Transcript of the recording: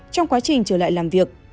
trong quá trình trở lại làm việc